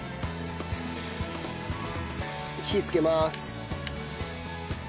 火つけます。